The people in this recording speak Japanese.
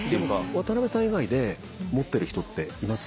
渡辺さん以外で持ってる人っています？